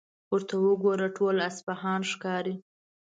ورته وګوره، ټول اصفهان ښکاري.